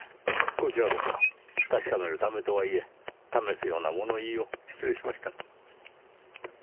こちらこそ確かめるためとはいえ試すような物言いを失礼しました。